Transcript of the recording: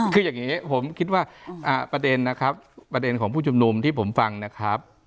คืออย่างนี้ผมคิดว่าประเด็นนะครับประเด็นของผู้ชุมนุมที่ผมฟังนะครับ